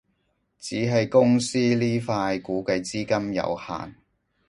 只係公司呢塊估計資金有限